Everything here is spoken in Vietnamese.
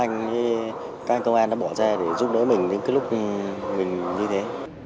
các anh công an đã bỏ ra để giúp đỡ mình những lúc mình như thế